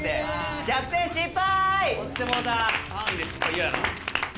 逆転失敗！